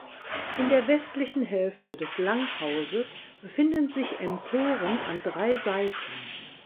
In der westlichen Hälfte des Langhauses befinden sich Emporen an drei Seiten.